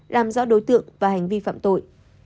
làm rõ đối tượng và hành vi phạm tội